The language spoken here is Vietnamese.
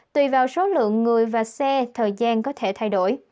tùy vào số lượng người và xe thời gian có thể thay đổi